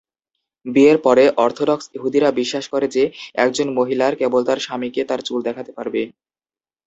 বিয়ের পরে, অর্থোডক্স ইহুদিরা বিশ্বাস করে যে একজন মহিলার কেবল তার স্বামীকে তার চুল দেখাতে পারবে।